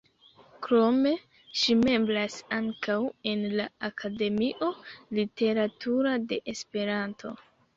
Krome, ŝi membras ankaŭ en la Akademio Literatura de Esperanto.